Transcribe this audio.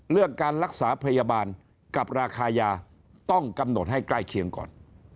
เรื่องการรักษาพยาบาลกับราคายาต้องกำหนดให้ใกล้เคียงก่อน